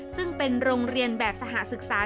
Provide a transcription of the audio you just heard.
ซึ่งเป็นโรงเรียนแบบสหศึกษา